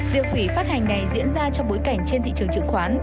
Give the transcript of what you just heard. việc hủy phát hành này diễn ra trong bối cảnh trên thị trường chứng khoán